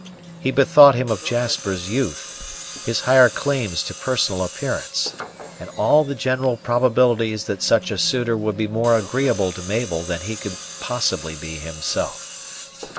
He bethought him of Jasper's youth, his higher claims to personal appearance, and all the general probabilities that such a suitor would be more agreeable to Mabel than he could possibly be himself.